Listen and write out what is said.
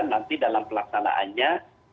nanti dalam pelaksanaannya